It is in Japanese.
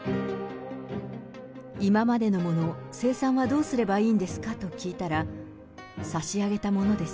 今までのもの、清算はどうすればいいんですかと聞いたら、差し上げたものです。